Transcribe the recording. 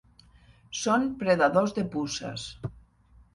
Són predadors de puces.